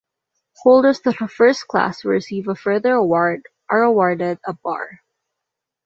Holders of the first class who receive a further award are awarded a bar.